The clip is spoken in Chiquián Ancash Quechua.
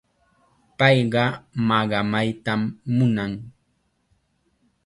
Payqa maqamaytam munan.